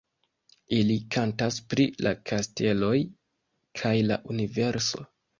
Ili kantas pri la steloj kaj la universo.